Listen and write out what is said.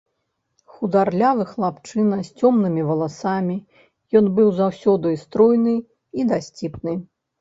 Хударлявы хлапчына, з цёмнымі валасамі, ён быў заўсёды стройны і дасціпны.